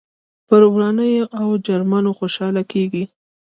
پر ورانيو او جرمونو خوشحاله کېږي.